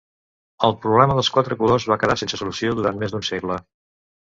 El problema dels quatre colors va quedar sense solució durant més d'un segle.